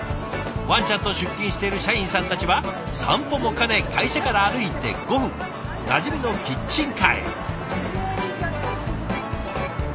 ワンちゃんと出勤している社員さんたちは散歩も兼ね会社から歩いて５分なじみのキッチンカーへ。